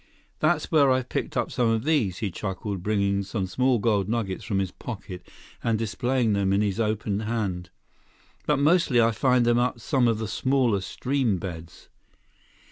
"That's where I've picked up some of these," he chuckled, bringing some small gold nuggets from his pocket and displaying them in his open hand. "But mostly I find them up some of the smaller stream beds.